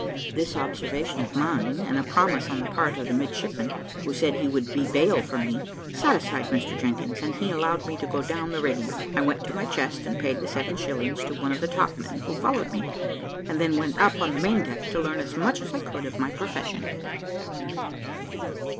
This observation of mine, and a promise on the part of the midshipman, who said he would be bail for me, satisfied Mr Jenkins, and he allowed me to go down the rigging. I went to my chest, and paid the seven shillings to one of the topmen who followed me, and then went up on the main deck to learn as much as I could of my profession.